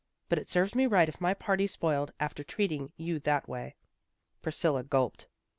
But it serves me right if my party's spoiled, after treating you that way." Priscilla gulped.